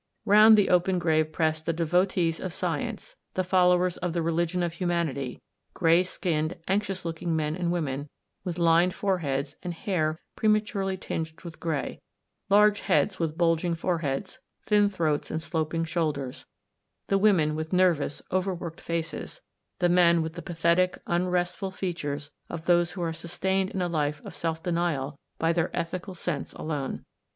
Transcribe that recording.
Round the open grave pressed the devotees of science, the followers of the religion of humanity; grey skinned, anxious looking men and women, with lined foreheads, and hair prematurely tinged with grey; large heads with bulging foreheads, AN END AND A BEGINNING. 9 thin throats and sloping shoulders; the women with nervous, over worked faces, the men with the pathetic, unrestfui features of those who are sustained in a life of self denial by their ethical sense alone.